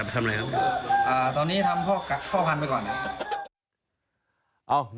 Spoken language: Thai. มันมีลีลามีสไตล์การสู้ที่ไม่เหมือนใคร